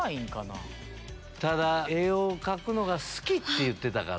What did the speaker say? ただ絵を描くのが好きって言ってたから。